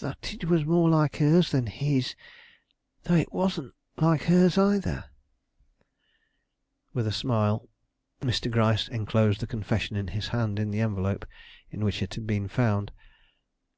"That it was more like hers than his, though it wasn't like hers either." With a smile, Mr. Gryce enclosed the confession in his hand in the envelope in which it had been found.